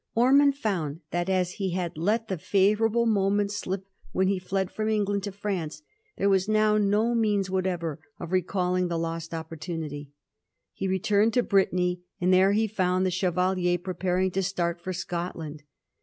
Ormond found that, as he had let the favourable moment slip when he fled from England to France, there was now no means whatever of recalling the lost opportimity. He returned to Brittany, and there he found the Chevalier preparing to start for Scotland.